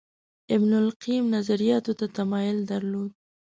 ابن القیم نظریاتو ته تمایل درلود